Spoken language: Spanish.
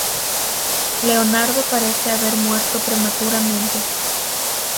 Leonardo parece haber muerto prematuramente.